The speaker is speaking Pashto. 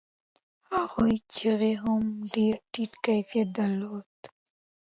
هغو چيغو هم ډېر ټيټ کيفيت درلود.